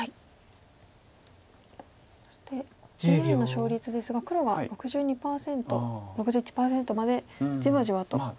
そしてＡＩの勝率ですが黒が６２％６１％までじわじわと上がってきてますね。